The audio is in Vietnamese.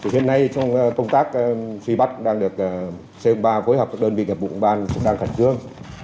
hiện nay trong công tác suy bắt đang được c một mươi ba phối hợp với đơn vị cập vụ công an